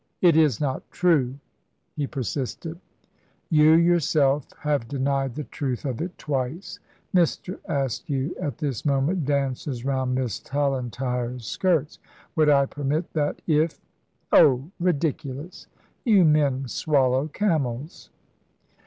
"It is not true?" he persisted. "You yourself have denied the truth of it twice. Mr. Askew at this moment dances round Miss Tallentire's skirts. Would I permit that, if ? Oh, ridiculous! You men swallow camels."